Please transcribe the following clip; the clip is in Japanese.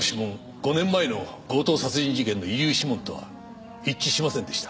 ５年前の強盗殺人事件の遺留指紋とは一致しませんでした。